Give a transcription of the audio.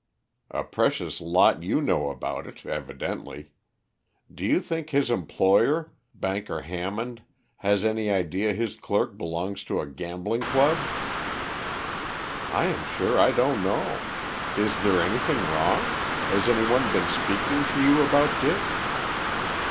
"A precious lot you know about it, evidently. Do you think his employer, banker Hammond, has any idea his clerk belongs to a gambling club?" "I am sure I don't know. Is there any thing wrong? Has any one been speaking to you about Dick?"